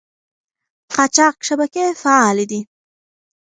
قاچاق شبکې فعالې دي.